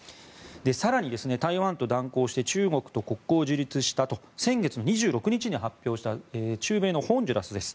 更に、台湾と断交して中国と国交を樹立したと先月の２６日に発表した中米のホンジュラスです。